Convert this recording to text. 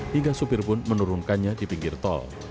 hingga supir pun menurunkannya di pinggir tol